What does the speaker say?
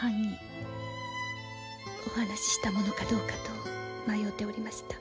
お話ししたものかどうかと迷うておりました。